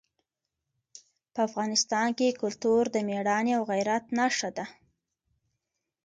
په افغانستان کې کلتور د مېړانې او غیرت نښه ده.